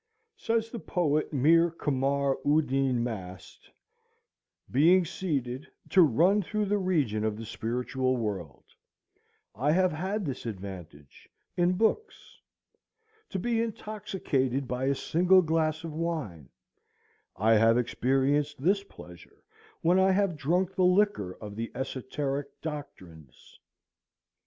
Says the poet Mîr Camar Uddîn Mast, "Being seated to run through the region of the spiritual world; I have had this advantage in books. To be intoxicated by a single glass of wine; I have experienced this pleasure when I have drunk the liquor of the esoteric doctrines."